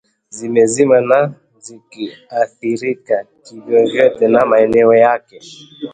zimezima na sikuathirika kivyovyote na maneno yake